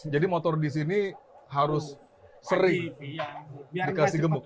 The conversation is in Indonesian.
jadi motor di sini harus sering dikasih gemuk